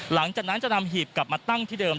หลังจากนั้นจะนำหีบกลับมาตั้งที่เดิม